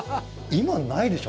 今ないでしょ？